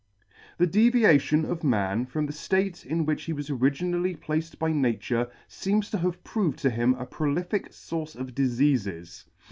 Th E deviation of Man from the {late in which he was originally placed by Nature, feems to have proved to him a prolific fource of Difeafes.